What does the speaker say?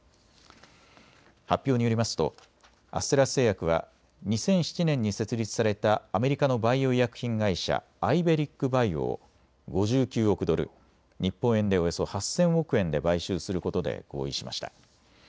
発表によりますとアステラス製薬は２００７年に設立されたアメリカのバイオ医薬品会社、アイベリック・バイオを５９億ドル、日本円でおよそ８０００億円で買収することで合意しました。